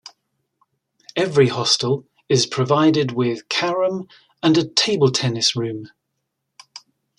Every hostel is provided with carom and a table-tennis room.